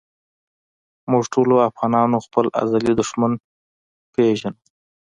مونږ ټولو افغانان خپل ازلي دښمن پېژنو